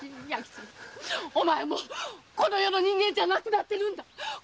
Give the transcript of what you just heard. お前はこの世の人ではなくなっているんだ。